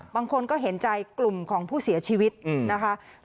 บางคนก็เห็นใจกลุ่มของผู้เสียชีวิตนะคะ